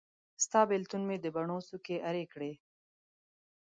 ستا بیلتون مې د بڼو څوکي ارې کړې